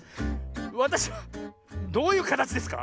わたしはどういうかたちですか？